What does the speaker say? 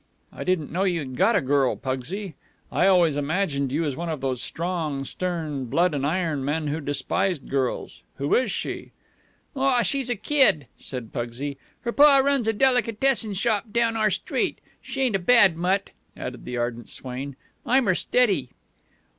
I didn't know you'd got a girl, Pugsy. I always imagined you as one of those strong, stern, blood and iron men who despised girls. Who is she?" "Aw, she's a kid," said Pugsy. "Her pa runs a delicatessen shop down our street. She ain't a bad mutt," added the ardent swain. "I'm her steady."